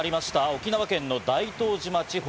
沖縄県の大東島地方。